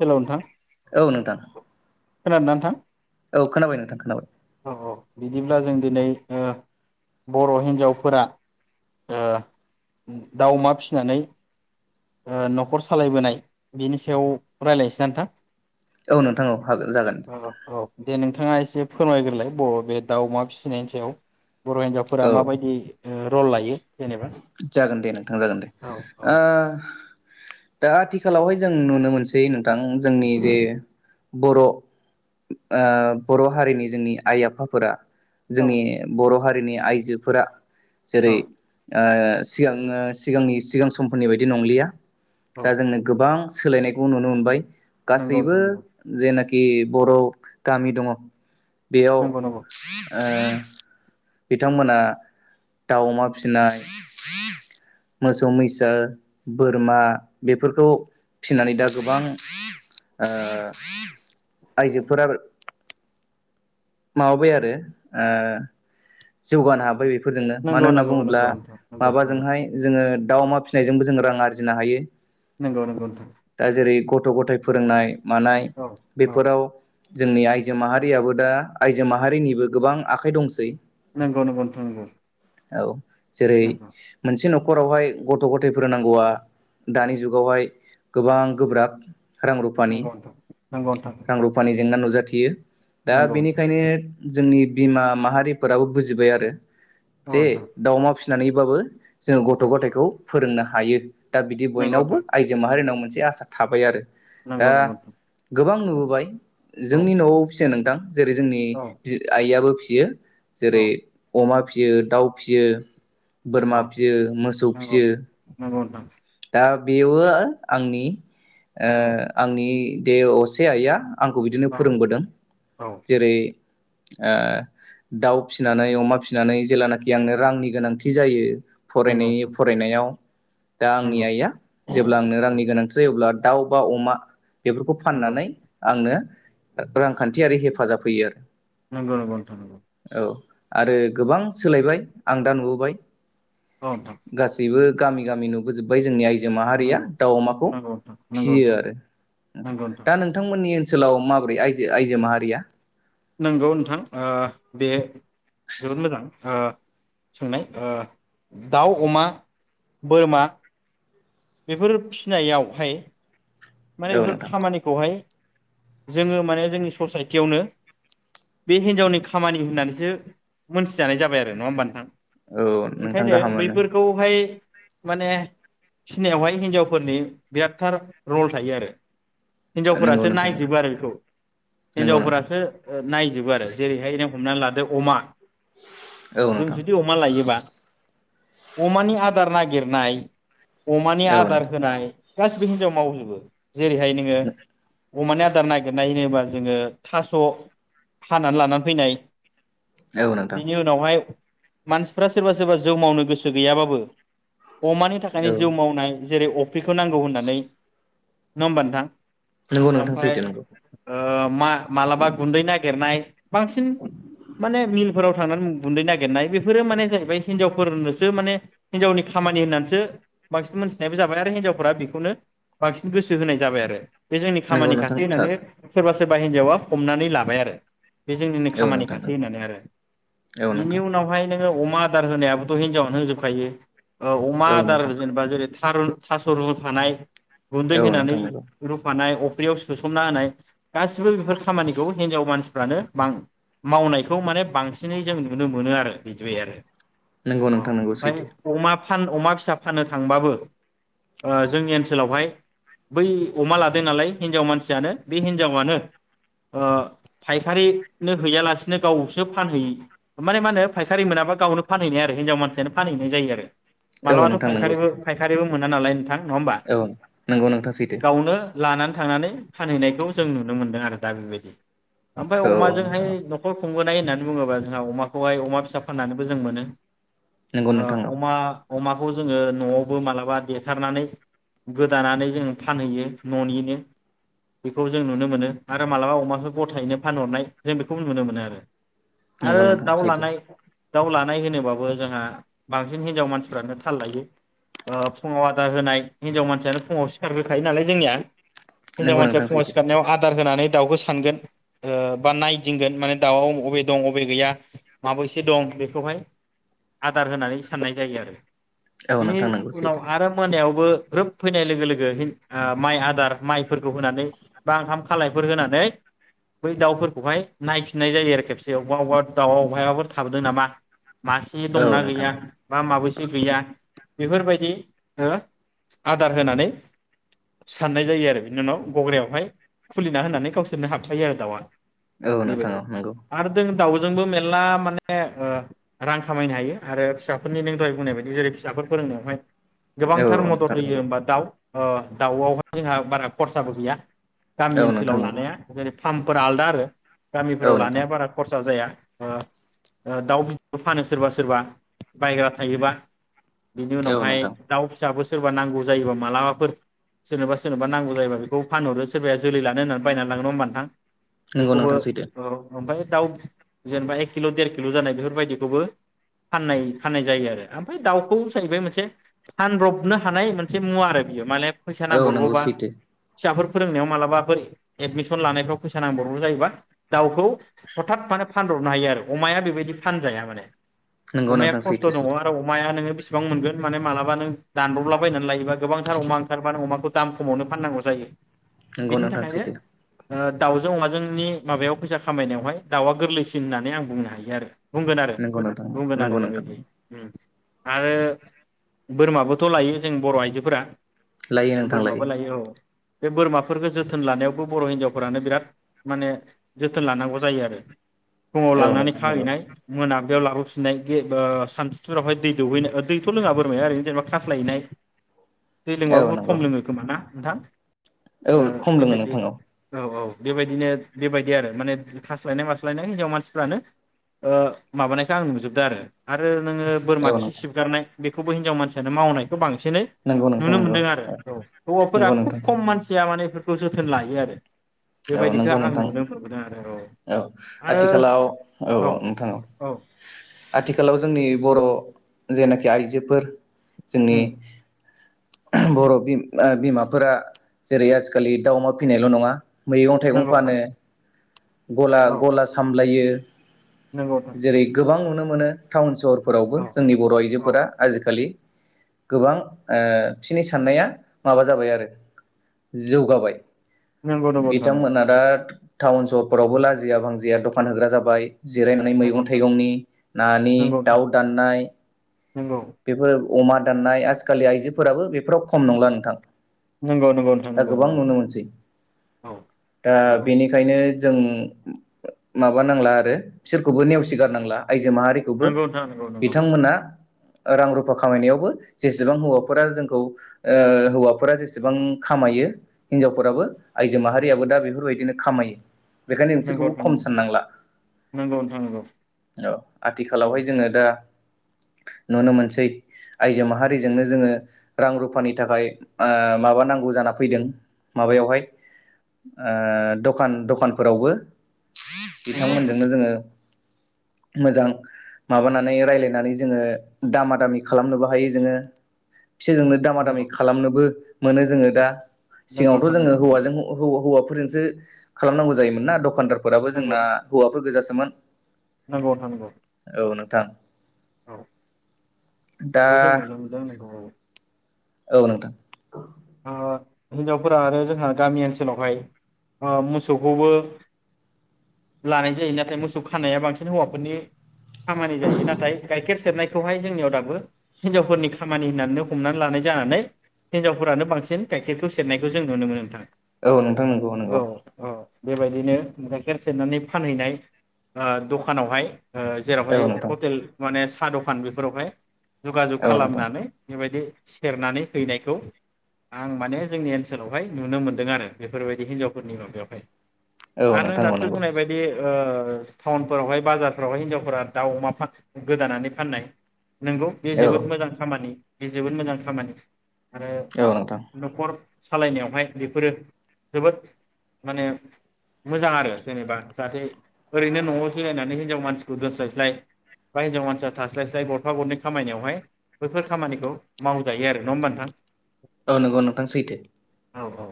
हेल' औ नोंथां । खोनादों नोंथां? औ खोनाबाय नोंथां खोनाबाय । औ औ बिदिब्ला जों दिनै ओ बर' हिन्जावफोरा ओ दाव अमा फिसिनानै ओ न'खर सालायबोनाय बिनि सायाव रायज्लायनोसैना नोंथां? औ नोंथां औ हागोन जागोन औ औ दे नोंथाङा एसे । फोरमायग्रोलाय बर' बे दाउमा फिसिनायनि सायाव । बर' हिन्जावफोरा औ माबायदि रल लायो? जेनेबा जागोन दे नोंथां जागोन दे औ औ ओ दा आथिखालावहाय जों नुनो मोनसै नों । जोंनि जे बर' ओ बर' हारिनि जोंनि आइ आफाफोरा औ जोंनि बर' हारि हारिनि आइजोफोरा जेरै औ सिगां सिगांनि सिगां समफोरनि बायदि नंलिया औ दा जोंनो गोबां सोलायनायखौ नुनो मोनबाय नंगौ गासैबो नोंथां नंगौ जेनाखि बर' गामि दङ बेयाव नंगौ बिथांमोना दाउ अमा फि फिसिनाय मोसौ मैसा बोरमा बेफोरखौ फिनानै दा गोबां ओ आइजोफोरा माबाबाय आरो जौगानो हाबाय बेफोर फोरजोंनो नंगौ मानो होनना नंगौ बुङोब्ला नंगौ नंगौ नोंथां नंगौ माबाजोंहाय जोङो दाउ अमा फिसिनायजोंबो जों रां आरजिनो हायो नंगौ नंगौ दा जेरै गथ' गथाय फोरोंनाय मानाय औ औ बेफोराव जोंनि आइजो माहारियाबो दा आइजो माहारिनिबो गोबां आखाइ दंसै नंगौ नंगौ नोंथां नंगौ औ जेरै नंगौ मोनसे न'खर न'खरावहाय गथ' गथाय फोरों नांगौआ दानि जुगावहाय गोबां गोब्राब रां रुानि नंगौ नोंथां नंगौ नोंथां रां रुफानि जेंना नुजा थियो नंगौ [inaudible] जोंनि बिमा माहारिफोराबो बुजिबाय आरो जे औ नोंथां दाव अमा फिसिनाय नानैबाबो जोङो गथ' उम गथायखौ फोरोंनो हायो दा बिदि नंगौ बयनावबो नोंथां आइजो माहारिनाव मोनसे ए आसा थाबाय आरो दा नांगौ नंगौ गोबां नुबोबाय औ जोंनि न'आव फियो नोंथां जेरै जोंनि औ आइयाबो फियो औ जेरै अमा फियो दाउ फियो बोरमा औ फियो मोसौ नंगौ फियो नंगौ नोंथां दा बेबो आंनि ओ औ आंनि दे असे आइया आंखौ बिदिनो औ फोरोंबोदों औ बे ओ दाउ फिनानै अमा फिनानै जेेलानाखि आंनो रांनि गोनांथि जायो नंगौ फरायनाय नोंथां फरायनायाव दा आंनि नंगौ आइआ जेब्ला आंनो रांनि नंगौ गोनांथि जायो अब्ला दाउ बा अमा बेफोरखौ नंगौ फाननानै आंनो रांखान्थियारि हेफा हेफाजाब होयो आरो। नंगौ नंगौ नोंथां नोंगौ औ आरो गोबां सोलायबाय आं दा नुबोबाय। औ नोंथां गासैबो गामि गामि नुबोजोबबाय जोंनि आइ जो माहारिया नंगौ दाउ अमाखौ नंगौ नोंथां नंगौ फिसिय़ो नोंथां आरो नंगौ नोंथां दा नोंथांमोननि ओनसोलाव माबोरै आय आइजो माहारिया? नंगौ नोंथां ओ बे जोबोद मोजां ओ सोंनाय ओ दाउ अमा बोरमा बेफोर फिनायावहाय माने औ बेफोर नोंथां खामानिखौहाय जोङो माने जोंनि ससायटियावनो बे हिनजावनि खामानि होननानैसो मोनथिजानाय जाबाय आरो नङा होमबा नोंथां? औ नोंथां ओंखायनो गाहाम मोनो बैफोरखौहाय माने फिसिनायावहाय हिन्जावफोरनि बिरादथार रल थायो आरो। नंगौ हिनजावफोरासो नोंथां नायजोबो आरो बेखौ नंगौ नोंथां हिनजावफोरासो नायजोबो आरो जेरैहाय हमनानै लादो अमा औ जों नोंथां जुदि अमा लायोबा अमानि आदार नागिरनाय अमानि औ आदार नोंथां होनाय गासिबो हिन्जाव मावजोबो जेरैहाय नोङो अमानि आदार नागिरनाय होनोबा जोङो थास' हानानै लानानै फैनाय औ नोंथां बिनि उनावहाय मानसिफ्रा सोरबा सोरबा जौ मावनो गोसो गैयाबाबो अमानि औ थाखायनो जौ मावनाय जेरै अफ्रिखौ नांगौ होननानै नङा होमबा नोंथां? नंगौ नोंथां ओमफ्राय सोैथो नोंगौ ओ मा मालाबा गुन्दै नागिरनाय। बांसिन माने मिलफोराव थांनानै गुन्दै नागिरनाय बेफोरो माने जाहैबाय हिनजावफोरनोसो माने हिनजावनि खामानि होननानैसो बांसिन मोन्थिनायबो जाबाय आरो हिनजावफोरा बेखौनो बांसिन गोसो होनाय जाबाय आरो। बे जोंनि नंगौ खामानि नोंथां खासै थार होननानै सोरबा सोरबा हिनजावा हमनानै लाबाय आरो बे जोंनिनो औ नोंथां खामानिखासै नंगौ होननानै आरो औ बिनि नोंथां उनावहाय नोङो अमा आदार होनायाबोथ' हिनजावानो होजोबखायो ओ अमा औ आदार नोंथां जै थारुन थास' रुफानाय गुन्दै औ होनानै नोंथां नंगौ रुफानाय अ फुख्रियाव सोसोमना होनाय गासिबो बेफोर खामानिखौ हिनजाव मानसिफ्रानो बां मावनायखौ माने बांसिनै जों नुनो मोनो आरो बिदिबाय आरो नंगौ नोंथां नंगौ ओमफ्राय सैथो अमा फान अमा फिसा फाननो थांबाबो ओ जोंनि ओनसोलावहाय बै अमा लादों नालाय हिनजाव मानसियानो बे हिनजावानो ओ फायखारिनो हैयालासिनो गावसो फानहैयो माने मा होनो फायखारि मोनाबा गावनो फानहैनाय आरो हिनजाव मानसियानो फानहैनाय जायो आरो औ मालाबाथ' नोंथां नंगौ फायखारिबो फायारिबो मोना नालाय नोंथां नङा होमबा औ नंगौ नोंथाङा सैथो गावनो लानानै थांनानै फानहैनायखौ जों नुनो मोनदों आरो दा बेबायदि ओमफ्राय औ औ अमाजोंहाय नोंथां औ न'खर सुंबोनाय होननानै बुङोबा जोंहा अमाखौहाय अमा फिसा फाननानैबो जों मोनो नंगौ नोंथां ओ औ अमा अमा खौ जोङो न'आवबो मालाबा देथारनानै गोदानानै जों फानहैयो न'निनो बेखौ जों नुनो मोनो आरो मालाबा अमाखौ गथायैनो फानहरनाय जों बेखौ नुनो मोनो आरो नंगौ आरो नोंथां दाउ सैथो लानाय दाउ लानाय होनोबाबो जोंहा बांसिन हिनजाव मानसिफ्रानो थाल लायो ओ फुङाव आदार होनाय हिनजाव मानसियानो फुङाव सिखारग्रोखायो नालाय जोंनिया । हिनजाव नंगौ मानसिया नोंथां फुङाव सैथो सिखारनायाव आदार होनानै दाउखौ सानगोन ओ बा नायदिंगोन माने दाउआव अबे दं अबे गैया माबैसे दं बेखौहाय आदार होनानै साननाय जायो आरो औ । बेनि नोंथां नंगौ उनाव सैथो आरो मोनायाव बो ग्रोब फैनाय लोगो लोगो हिन ओ माइ आदार माइफोरखौ होनानै बा ओंखाम खालायफोर होनानै बै दाउफोरखौहाय नायफिननाय जायो आरो खेबसे अबेबा अबेबा दाउ अबेहायबाफोर थाबोदों नामा । मासे औ दंना नोंथां गैया बा माबैसे दं बेफोरबायदि ओ आदार होनानै साननाय जायो आरो बिनि उनाव गग्रायावहाय खुलिना होनानै गावसोरनो हाबखायो आरो दाउआ औ । नोंथां बेबायदि औ नंगौ आरो जों दाउ जोंबो मेरला माने ओ रां खामनो हायो आरो फिसाफोरनि नों दहाय बुंनाय बायदि जेरै फिसाफोर फोरोंनायावहाय औ गोबांथार मदद नोंथां होयो नंगौ होमबा दाउ । अ दाउआवहाय जोंहा बारा खरसाबो गैया । गामि औ नोंथां ओनसोलाव नंगौ लानाया जेरै फार्मफोरा आलदा आरो । औ गामिफोराव नोंथां लानाया बारा खरस सा जाया ओ ओ दाउ बिबबो फानो सोरबा सोरबा बाय्रा थायोबा बिनि औ उनावहाय नोंथां दाउ फिसाबो सोरबा नांगौ जायोबा मालाबाफोर सोरनोबा सोरनोबा नांगौ जायोबा बेखौ फानहरो सोरबाया जोलै लानो होननानै बायना लाङो नङा होमबा नोंथां? नंगौ बेखौबो नोंथां सैथो औ ओमफाय दाउ जेनेबा एक किल' देर किल' जानाय बेफोरबायदिखौबो फाननाय फाननाय जायो आरो आमफाय दाउखौ जाहैबाय मोनसे फानब्रबनो हानाय मोनसे मुवा आरो बियो मालेफ औ नंगौ सैथो । फिसाफोर फोरोंनायाव मालाबाफोर एदमिसन लानायफ्राव फैसा नांबावगौ जायोबा दाउखौ हथात माने फानब्रबनो हायो आरो अमाया बेबायदि फानजाया माने । नोंगौ नोंथां सैथो सैथो। हाया नोङो बिसिबां मोनगोन माने मालाबानो दानब्रबलाबायनानै लायोबा गोबांथार अमा ओंखारबा नों अमाखौ दाम खमावनो फाननांगौ जायो । नोंगौ नोंथां सैथो । ओ दाउजों अमाजोंनि माबायाव फैसा खामायनायावहाय दाउआ गोरलैसिन होननानै आं बुंनो हायो आरो । बुंगोन आरो नंगौ नोंथां बुंगोन आरो नंगौ नोंथां बेबायदियैनो । आरो बोरमाबोथ' लायो जों बर' आइजोफोरा लायो नोंथां बोरमाबो लायो औ । बे बोरमाफोरगो जोथोन लानायावबो बर' हिनजावफोरानो बिराद माने जोथोन लानांगौ जायो आरो । फुङाव औ लांनानै नोंथां नंगौ खाहैनाय मोना बेयाव लाबोफिननाय गेबा सानस सुरावहाय दै दौहैनाय दैथ' लोङा बोरमाया ओरैनो जेनेबा खास्लायैनाय दै लोंबाबा औ बहुद नंगौ खम लोङो खोमा ना । नोंथां । औ ओ खम लोङो बेबायदि नोंथां औ औ । बेबायदिनो बेबायदि आरो माने खास्लायनाय मास्लायनाय हिनजाव मानसिफ्रानो ओ माबानायखौ आं नुजोबदों आरो आरो नोङो बोरमा औ खि नोंथां सिबगारनाय बेखौबो हिनजाव मानसियानो मावनायखौ बां सिनै नंगौ नोंथां नुनो नंगौ मोनदों आरो औ हौवाफोरा नंगौ खुब नोंथां खम मानसिया माने खौ जोथोन लायो आरो औ बेबायदिखौ नंगौ आं नोंथां नुनो मोनबोदों आरो औ आरो आथिखालाव औ औ नोंथां औ आथिखालाव जोंनि बर' जेनाखि आइजोफोर जोंनि उम बर' बिमा बिमाफोरा जेरै आजिखालि दाउ अमा फिसिनायल' नङा। मैगं थाइगं नंगौ नोंथां फानो। गला औ गला सामलायो । नंगौ नोंथां जेरै गोबां नुनो मोनो। मोनो टाउन सहर फोरावबो औ जोंनि बर' औ आइजोफोरा आजिखालि गोबां ओ बिसिनि साननाया माबा जाबाय आरो जौगाबाय। नंगौ नंगौ नोंथां नंगौ बिथांमोना दा टाउन सहरफोरावबो लाजिया भांजिया दखान होग्रा जाबाय। जिरायनानै नंगौ मैगं- नोंथां थाइगंनि, नानि, दाउ दाननाय । नोंगौ। अमा दाननाय आजिखालि आइजोफोराबो बेफोराव खम नंला नोंथां । नंगौ नोंथां दा नंगौ गोबां नंगौ नुनो मोनसै औ दा बेनिखायनो जों म-म-माबानांला आरो बिसोरखौबो नेवसिगारनांला । आइजो माहारिखौबो नंगौ नंगौ नोंथां बिथांमोना रां रुफा खामायनायावबो जेसेबां हौवाफोरा जोंखौ ओ हौवाफोरा जेसेबां खामायो हिनजावफोराबो आइजो माहारियाबो दा बेफोरबायदिनो खामायो। बेखायनो नंगौ नोंसोरखौबो नंगौ खम साननांला नंगौ नोंथां नंगौ नोंथां नंगौ औ आथिखालावहाय जोङो दा नुनो मोनसै आइजो माहारिजोंनो जोङो रां रुफानि थाखाय माबा नांगौ जाना फैदों माबायावहाय दखान दखानफोरावबो। नंगौ नोंथां बिथांमोनजोंनो जोङो मोजां माबानानै रायलायनानै जोङो । दामा दामि खालामनोबो हायो जोङो । [unintelligible] दामा दामि नंगौ खालामनोबो मोनो जोङो दा नंगौ नोंथां सिगाङावथ' जों नंगौ नंगौ हौवाजों हौ हौ हौवा हौवा । फोरजोंसो खालामनांगौ जायोमोन ना दखानदार फोराबो नंगौ जोंना हौवाफोर गोजासो । [unintelligible] नंगौ नोंथां नंगौ । [unintelligible] औ । दा बेखौ जों नुनो मोनदों [unintelligible] औ नोंथां । ओ हिनजावफोरा आरो जोंहा गामि ओनसोलावहाय मोसौखौबो लानाय जायो नाथाय मोसौ खानाया बांसिन हौवाफोरनि खामानि जायो नाथाय गाइखेर सेरनायखौहाय जोंनियाव दाबो हिनजावफोरनि खामानि होननानै हमनानै लानाय जानानै हिनजाव फोरानो बांसिन गाइखेरखौ सेरनायखौ जों नुनो मोनो नोंथां औ नोंथां नंगौ औ नंगौ औ बेबायदिनो गाइखेर सेरनानै फानहैनाय दखानावहाय औ जेरावहाय नोंथां हटेल मानेस साहा दखान बेफोरावहाय जुगाजुग औ नोंथां खालामनानै बेबायदि सेरनानै हैनायखौ आं माने जोंनि ओनसोलावहाय नुनो मोनदों आरो बेफोरबायदि हिनजावफोरनि माबायावहाय औ आरो नों नोंथां औ दासो नंगौ बुंनाय बायदि ओ टाउनफोरावहाय बाजारफोरावहाय हिनजावफोरा दाउ अमा गोदानानै फाननाय नंगौ बेयो औ जोबोद मोजां खामानि बे जोबोद मोजां खामानि आरो औ नोंथां न'खर सालायनायावहाय बेफोरो जोबोद माने मोजां आरो जेनेबा जाहाथे ओरैनो न'आव जिरायनानै हिनजाव मानसिखौ दोस्लायस्लाय बा हिनजाव मानसिया थास्लायस्लाय गरफा गरनै खामानिनाययावहाय बेैफोर खामानिखौ मावजायो आरो नङा होमबा नोंथां? औ नंगौ नोंथां सैथो औ औ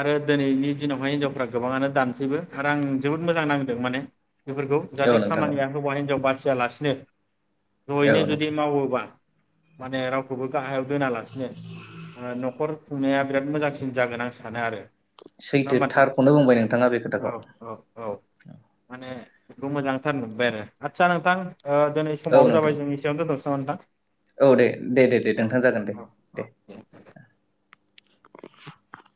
आरो दिनैनि दिनावहाय हिनजावफ्रा गोबाङानो दानसैबो आरो आं जोबोद मोजां नांदों माने बेफोरखौ जाहाथे औ नोंथां औ खामानिया हौवा हिनजाव बारसिन लासिनो औ नयैनो जुदि नोंथां मावोबा माने रावखौबो गाहायाव दोनालासिनो ओ न'खर खुंनाया बिराद मोजांसिन जागोन आं सानो आरो नङा सैथो होमबा नोंथां थारखौनो बुंबाय नोंथाङा बे औ खोथाखौ। औ औ माने बेखौ मोजांथार नुबोबाय आरो आदसा नोंथां ओ दिनै औ समाबो नोंथां जाबाय जों एसेयावनो दोनथ'नोसै औ नोंथां। औ दे दे दे दे नोंथां जागोन दे औ औ औ दे [unintelligible]